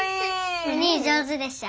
おにぃ上手でしょ？